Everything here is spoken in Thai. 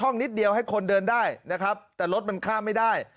นิดเดียวให้คนเดินได้นะครับแต่รถมันข้ามไม่ได้